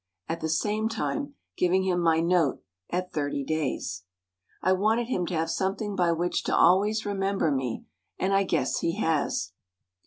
at the same time giving him my note at thirty days. I wanted him to have something by which to always remember me, and I guess he has.